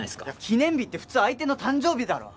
記念日って普通相手の誕生日だろ！